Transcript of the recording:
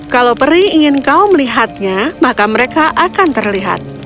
kalau peri ingin kau melihatnya maka mereka akan terlihat